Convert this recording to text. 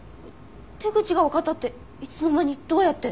手口がわかったっていつの間にどうやって？